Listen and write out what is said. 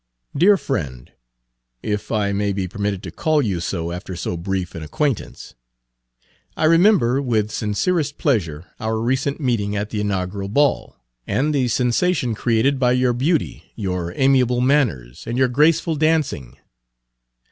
DEAR FRIEND (if I may be permitted to call you so after so brief an acquaintance), I remember with sincerest pleasure our recent meeting at the inaugural ball, and the sensation created by your beauty, your amiable manners, and your graceful dancing.